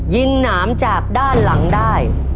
หนามจากด้านหลังได้